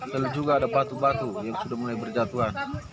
dan juga ada batu batu yang sudah mulai berjatuhan